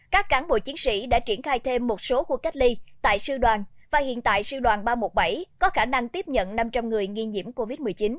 các cán bộ chiến sĩ đã triển khai thêm một số khu cách ly tại sư đoàn và hiện tại sư đoàn ba trăm một mươi bảy có khả năng tiếp nhận năm trăm linh người nghi nhiễm covid một mươi chín